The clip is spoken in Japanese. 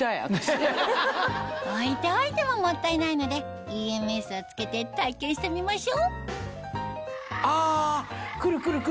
置いておいてももったいないのでＥＭＳをつけて体験してみましょうあ来る来る来る来る。